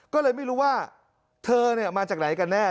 ก็เลยไม่รู้ว่าเธอมาจากไหนกันแน่